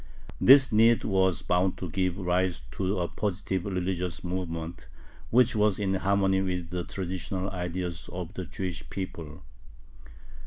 This need was bound to give rise to a positive religious movement, which was in harmony with the traditional ideas of the Jewish people.